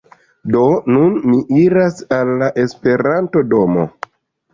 Do, nun mi iras al la Esperanto-domo